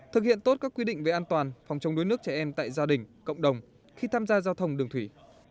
thực hiện tốt các quy định về an toàn phòng chống đuối nước trẻ em tại gia đình cộng đồng khi tham gia giao thông đường thủy